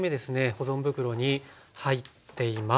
保存袋に入っています。